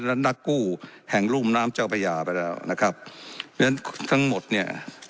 แล้วนักกู้แห่งรุ่มน้ำเจ้าประหยาไปแล้วนะครับทั้งหมดเนี่ย